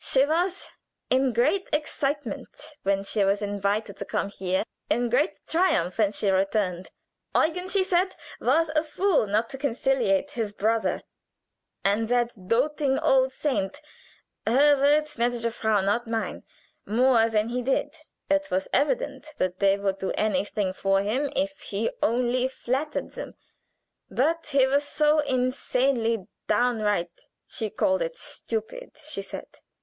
She was in great excitement when she was invited to come here; in great triumph when she returned. "Eugen, she said, was a fool not to conciliate his brother and that doting old saint (her words, gnädige Frau, not mine) more than he did. It was evident that they would do anything for him if he only flattered them, but he was so insanely downright she called it stupid, she said.